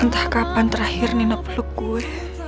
entah kapan terakhir nina peluk gue